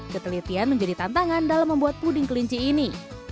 ketelitian menjadi tantangan dalam membuat puding kelinci ini